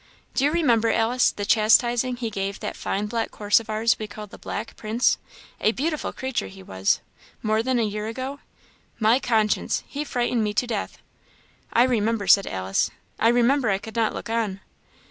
Do you remember, Alice, the chastising he gave that fine black horse of ours we called the 'Black Prince' a beautiful creature he was more that a year ago? My conscience! he frightened me to death." "I remember," said Alice; "I remember I could not look on."